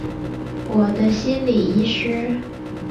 我的心理医师